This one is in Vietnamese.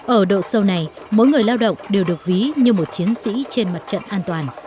ở độ sâu này mỗi người lao động đều được ví như một chiến sĩ trên mặt trận an toàn